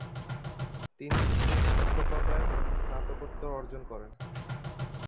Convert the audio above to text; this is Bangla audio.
তিনি সেখানে শিক্ষকতায় স্নাতকোত্তর অর্জন করেন।